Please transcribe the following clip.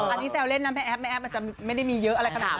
อันนี้แซวเล่นนะแม่แอ๊บแม่แอฟอาจจะไม่ได้มีเยอะอะไรขนาดนั้น